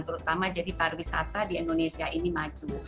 terutama jadi pariwisata di indonesia ini maju